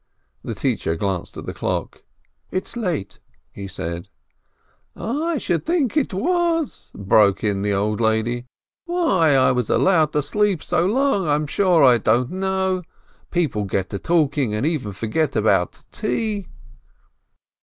The teacher glanced at the clock. "It's late," he said. "I should think it was !" broke in the old lady. "Why I was allowed to sleep so long, I'm sure I don't know ! People get to talking and even forget about tea."